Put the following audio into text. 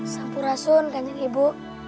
sampurasun kan yang ibu